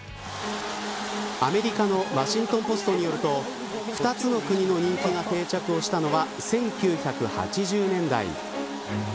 アメリカのワシントン・ポストによると２つの国の人気が定着したのは１９８０年代。